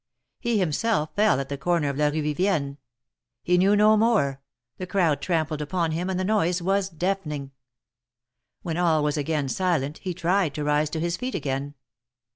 He himself fell at the corner of la E ue Vivienne; he knew no more, the crowd trampled upon him, and the noise was deafening. When all was again silent, he tried to rise to his feet again.